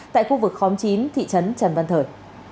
tại khu vực khóm chín thị trấn trần văn thời